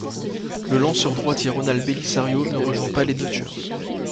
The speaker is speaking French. Le lanceur droitier Ronald Belisario ne rejoint pas les Dodgers.